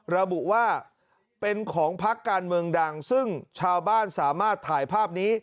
ระบุว่าเป็นของพักการเมืองดังซึ่งชาวบ้านสามารถถ่ายภาพนี้